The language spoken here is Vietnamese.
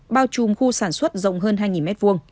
bao trùm khu sản xuất rộng hơn hai m hai